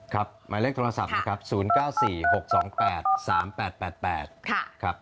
หมายเลขโทรศัพท์นะครับ๐๙๔๖๒๘๓๘๘ครับ